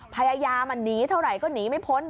พยายามหนีเท่าไหร่ก็หนีไม่พ้น